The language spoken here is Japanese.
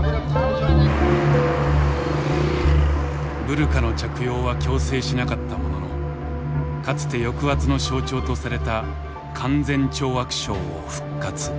ブルカの着用は強制しなかったもののかつて抑圧の象徴とされた勧善懲悪省を復活。